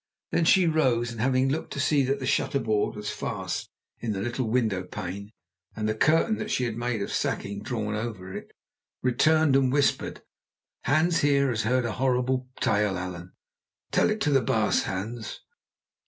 Then she rose, and having looked to see that the shutter board was fast in the little window place and the curtain that she had made of sacking drawn over it, returned and whispered: "Hans here has heard a horrible tale, Allan. Tell it to the baas, Hans."